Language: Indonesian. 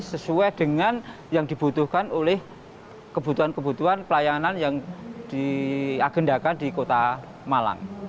sesuai dengan yang dibutuhkan oleh kebutuhan kebutuhan pelayanan yang diagendakan di kota malang